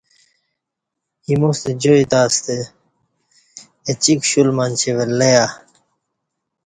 ایمُوستہ جائی تہ ستہ اہ چی کشول منچی ولہ یہ